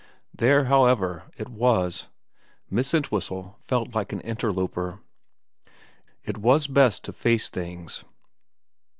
There, however, it was, Miss Entwhistle felt like an interloper. It was best to face things.